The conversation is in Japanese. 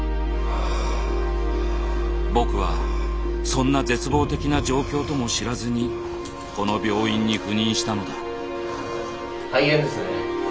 僕はそんな絶望的な状況とも知らずにこの病院に赴任したのだ。